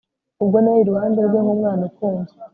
ubwo nari iruhande rwe nk'umwana ukunzwe